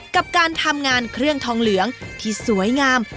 กับการทำงานเครื่องทองเหลืองที่สวยงาม